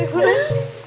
si enek tuh mulan